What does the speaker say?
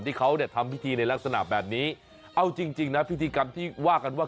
ที่เขาเนี่ยทำพิธีในลักษณะแบบนี้เอาจริงจริงนะพิธีกรรมที่ว่ากันว่า